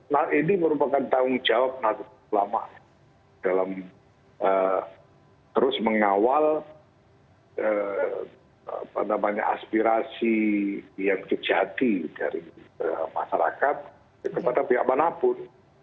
nah ini merupakan tanggung jawab natuna ulama dalam terus mengawal aspirasi yang terjadi dari masyarakat kepada pihak manapun